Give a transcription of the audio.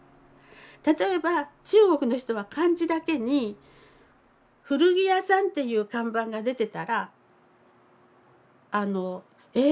例えば中国の人は漢字だけに古着屋さんっていう看板が出てたらあのえ？